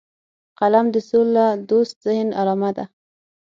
قلم د سولهدوست ذهن علامه ده